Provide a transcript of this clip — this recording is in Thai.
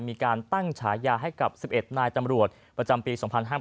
มีการตั้งฉายาให้กับ๑๑นายตำรวจประจำปี๒๕๕๙